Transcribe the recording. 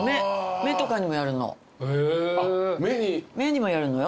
目にもやるのよ。